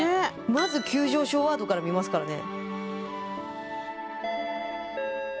まず急上昇ワードから見ますからね。